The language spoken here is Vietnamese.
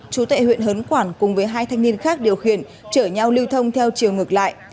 chú tệ huyện hớn quản cùng với hai thanh niên khác điều khiển chở nhau lưu thông theo chiều ngược lại